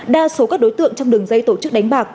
đa số các đối tượng trong đường dây tổ chức đánh bạc